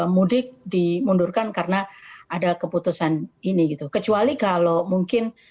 mudik dimundurkan karena ada keputusan ini gitu kecuali kalau mungkin